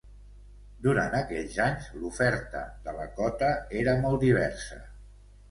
Durant aquells anys, l'oferta de la Cota era molt diversa.